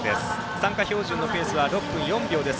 参加標準のペースは６分４秒です。